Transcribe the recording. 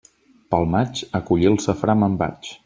Pel maig, a collir el safrà me'n vaig.